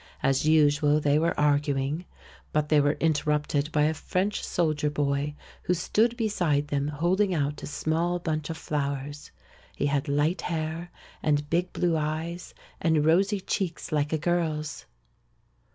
As usual, they were arguing. But they were interrupted by a French soldier boy, who stood beside them holding out a small bunch of flowers. He had light hair and big blue eyes and rosy cheeks like a girl's.